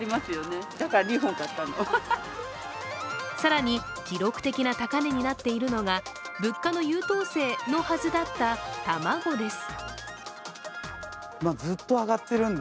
更に、記録的な高値になっているのが物価の優等生のはずだった卵です。